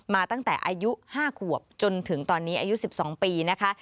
มาตั้งแต่อายุ๕ขวบจนถึงตอนนี้อายุ๑๒ปีนะคะ